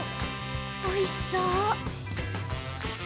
おいしそう！